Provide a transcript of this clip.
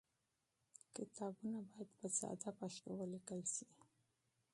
کتابونه باید په ساده پښتو ولیکل شي.